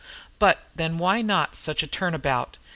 But then why not such a turnabout?